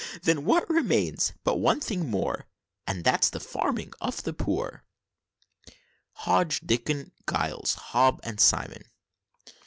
Then what remains? But one thing more, And that's the Farming of the Poor!" HODGE, DICKON, GILES, HOB, AND SIMON.